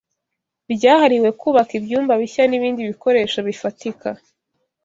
byahariwe kubaka ibyumba bishya n’ibindi bikoresho bifatika